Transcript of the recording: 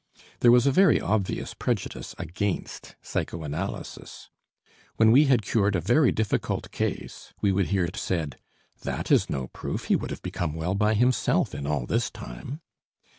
There was a very obvious prejudice against psychoanalysis. When we had cured a very difficult case we would hear it said: "That is no proof, he would have become well by himself in all this time."